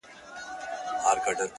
o چا ویل دا چي؛ ژوندون آسان دی؛